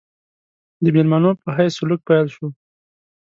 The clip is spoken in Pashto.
د مېلمنو په حیث سلوک پیل شو.